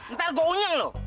ntar gue unyeng lu